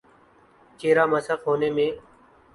چہر ہ مسخ ہونے میں۔